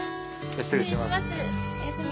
失礼します。